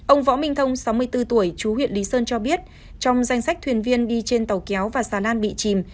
ông võ minh thông sáu mươi bốn tuổi chú huyện lý sơn cho biết trong danh sách thuyền viên đi trên tàu kéo và xà lan bị chìm